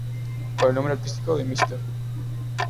Con el nombre artístico de ""Mr.